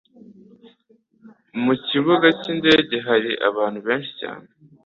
Ku kibuga cyindege hari abantu benshi cyane.